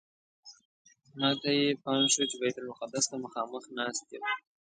ماته یې پام شو چې بیت المقدس ته مخامخ ناست یم.